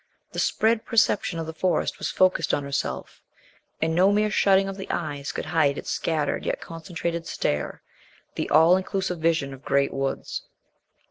The spread perception of the Forest was focused on herself, and no mere shutting of the eyes could hide its scattered yet concentrated stare the all inclusive vision of great woods.